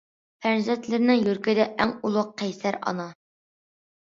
پەرزەنتلىرىنىڭ يۈرىكىدە ئەڭ ئۇلۇغ قەيسەر ئانا.